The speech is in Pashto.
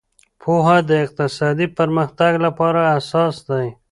پوهه د اقتصادي پرمختګ لپاره اساس دی.